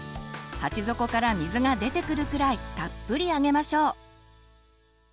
鉢底から水が出てくるくらいたっぷりあげましょう。